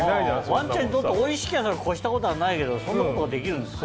ワンちゃんにとっておいしければそりゃ越したことはないけどそんなことができるんですか？